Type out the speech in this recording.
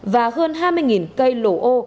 và hơn hai mươi cây lổ ô